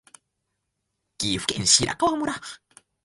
岐阜県白川村